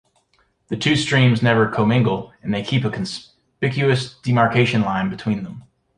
The two streams never commingle, and they keep a conspicuous demarcation line between them.